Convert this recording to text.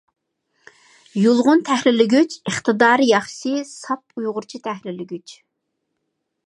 يۇلغۇن تەھرىرلىگۈچ — ئىقتىدارى ياخشى، ساپ ئۇيغۇرچە تەھرىرلىگۈچ.